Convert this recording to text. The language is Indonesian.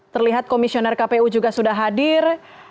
terlihat komisioner kpu juga sudah hadir